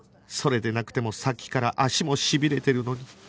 それでなくてもさっきから足もしびれてるのに